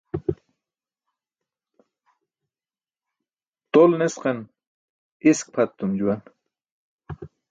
Tol nesqan isk pʰat etum juwan.